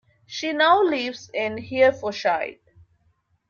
She now lives in Herefordshire.